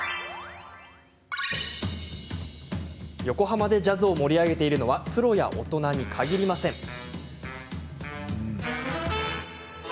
横浜でジャズを盛り上げているのはプロや大人に限りません。